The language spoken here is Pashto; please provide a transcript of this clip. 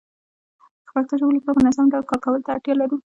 پښتو ژبې لپاره په منظمه ډول کار کولو ته اړتيا لرو